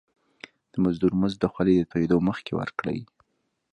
د مزدور مزد د خولي د تويدو مخکي ورکړی.